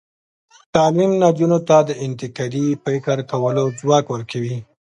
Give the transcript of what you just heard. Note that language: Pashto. تعلیم نجونو ته د انتقادي فکر کولو ځواک ورکوي.